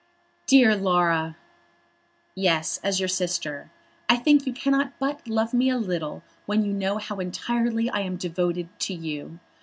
"Dear Laura!" "Yes; as your sister. I think you cannot but love me a little when you know how entirely I am devoted to you.